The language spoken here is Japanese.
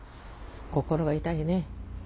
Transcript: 心が痛いね。